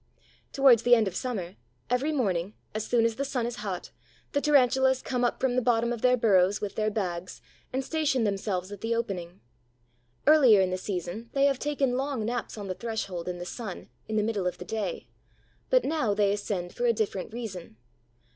Towards the end of summer, every morning, as soon as the sun is hot, the Tarantulas come up from the bottom of their burrows with their bags and station themselves at the opening. Earlier in the season they have taken long naps on the threshold in the sun in the middle of the day; but now they ascend for a different reason.